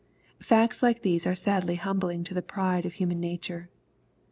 Facts like these are sadly humbling to the pride of human nature.